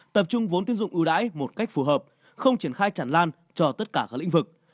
tập trung vốn tiến dụng ưu đãi một cách phù hợp không triển khai chẳng lan cho tất cả các lĩnh vực